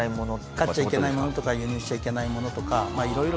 飼っちゃいけないものとか輸入しちゃいけないものとかまあいろいろ。